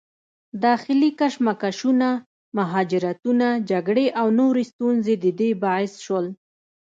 داخلي کشمکشونه، مهاجرتونه، جګړې او نورې ستونزې د دې باعث شول